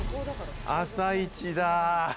朝市だ！